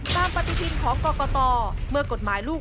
ตามปฏิบิที่ของกกตเมื่อกธมล์ลูก